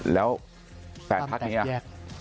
แล้วแปลกภักดิ์นี้